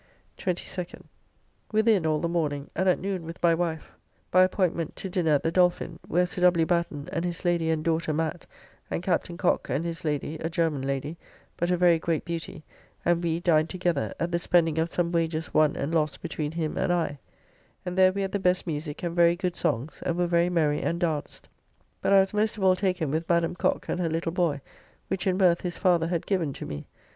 22nd. Within all the morning, and at noon with my wife, by appointment to dinner at the Dolphin, where Sir W. Batten, and his lady and daughter Matt, and Captain Cocke and his lady, a German lady, but a very great beauty, and we dined together, at the spending of some wagers won and lost between him and I; and there we had the best musique and very good songs, and were very merry and danced, but I was most of all taken with Madam Cocke and her little boy, which in mirth his father had given to me.